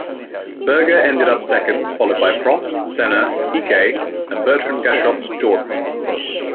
Berger ended up second, followed by Prost, Senna, Piquet, and Bertrand Gachot's Jordan.